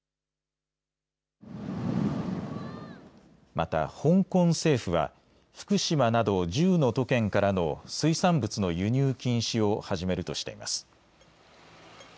また、香港政府は福島など１０の都県からの水産物の輸入禁止を始めるとしています。